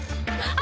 あ。